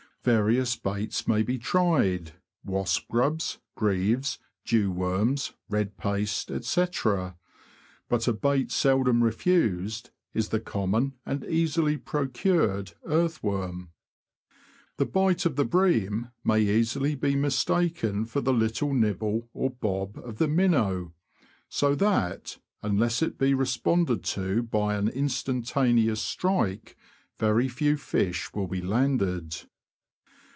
Various baits may be tried — wasp grubs, greaves, dew worms, red paste, &c. ; but a bait seldom refused is the common and easily procured earthworm. The bite of the bream may easily be mistaken for the little nibble or bob of the minnow ; so that, unless it be responded to by an instantaneous strike, very few fish will be landed.